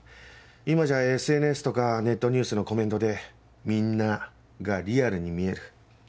今じゃＳＮＳとかネットニュースのコメントで「みんな」がリアルに見える。